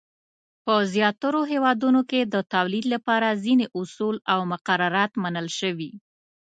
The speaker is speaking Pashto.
په زیاترو هېوادونو کې د تولید لپاره ځینې اصول او مقررات منل شوي.